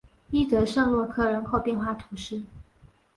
伊德圣罗克人口变化图示